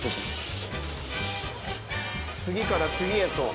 次から次へと。